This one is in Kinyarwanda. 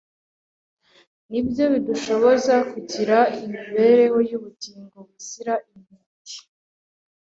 ni byo bidushoboza kugira imibereho y’ubugingo buzira inenge.